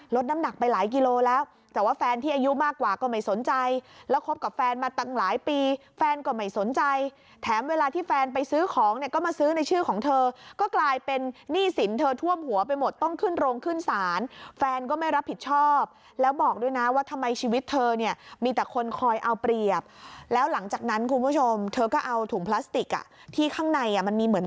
ลดน้ำหนักไปหลายกิโลแล้วแต่ว่าแฟนที่อายุมากกว่าก็ไม่สนใจแล้วคบกับแฟนมาตั้งหลายปีแฟนก็ไม่สนใจแถมเวลาที่แฟนไปซื้อของเนี่ยก็มาซื้อในชื่อของเธอก็กลายเป็นนี่สินเธอท่วมหัวไปหมดต้องขึ้นโรงขึ้นศาลแฟนก็ไม่รับผิดชอบแล้วบอกด้วยนะว่าทำไมชีวิตเธอเนี่ยมีแต่คนคอยเอาเป